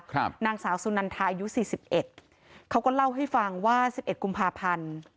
นางสาวสุนันทาอายุสี่สิบเอ็ดเขาก็เล่าให้ฟังว่าสิบเอ็ดกุมภาพันธ์